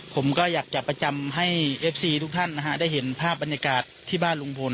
ผมก็อยากจะประจำให้เอฟซีทุกท่านนะฮะได้เห็นภาพบรรยากาศที่บ้านลุงพล